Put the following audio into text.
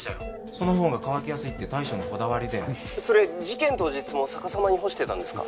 その方が乾きやすいって大将のこだわりで☎それ事件当日も逆さまに干してたんですか？